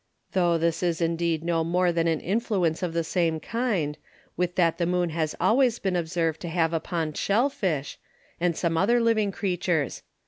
Tho' this is indeed no more than an Influence of the same kind, with that the Moon has always been observed to have upon Shell Fish, and some other living Creatures.